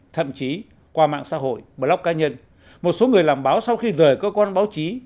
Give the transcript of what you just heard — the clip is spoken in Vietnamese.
thậm chí qua mạng xã hội blog cá nhân một số người làm báo sau khi rời cơ quan báo chí